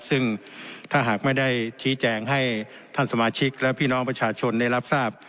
ซึ่งถ้าหากไม่ได้ชี้แจงให้ท่านสมาชิกและพี่น้องประชาชนได้รับทราบ